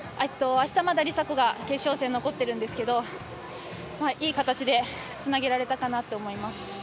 あしたまだ梨紗子が決勝戦残っているんですけれども、いい形でつなげられたかなって思います。